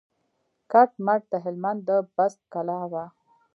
کټ مټ د هلمند د بست کلا وه.